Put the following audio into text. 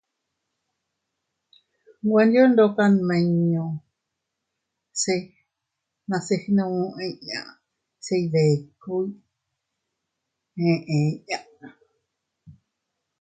Nweyo ndoka nmiño se nase gnu inñas se iydikuy eʼe inña.